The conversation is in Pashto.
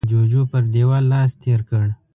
جوجو پر دېوال لاس تېر کړ.